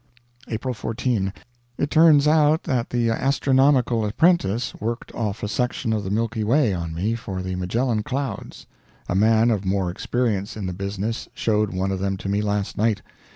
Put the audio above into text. April 14. It turns out that the astronomical apprentice worked off a section of the Milky Way on me for the Magellan Clouds. A man of more experience in the business showed one of them to me last night.